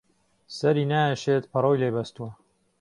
سهری نایهشێت پهڕۆی لێ بهستووه